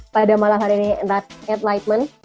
pada malam hari ini